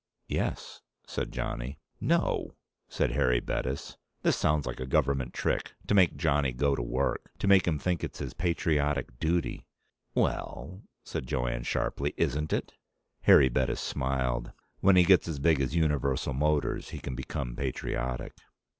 "Yes," said Johnny. "No," said Harry Bettis. "This sounds like a government trick to make Johnny go to work. To make him think it's his patriotic duty " "Well," said Jo Anne sharply, "isn't it?" Harry Bettis smiled. "When he gets as big as Universal Motors, he can become patriotic."